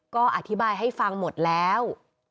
ก็อธิบายให้ฟังหมดแล้ว